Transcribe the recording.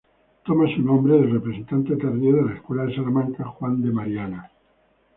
Toma su nombre del representante tardío de la Escuela de Salamanca, Juan de Mariana.